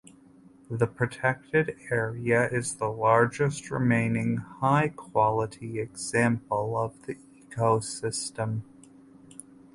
The protected area is the largest remaining high quality example of the ecosystem.